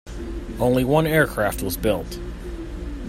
Only one aircraft was built.